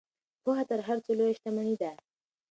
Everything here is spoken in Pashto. پوهه تر هر څه لویه شتمني ده.